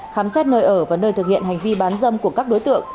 khám xét nơi ở và nơi thực hiện hành vi bán dâm của các đối tượng